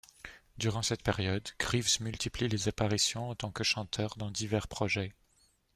Durant cette période, Greaves multiplie les apparitions en tant que chanteur dans divers projets.